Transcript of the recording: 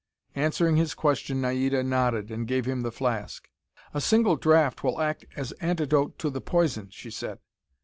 Answering his question, Naida nodded, and gave him the flask. "A single draught will act as antidote to the poison," she said.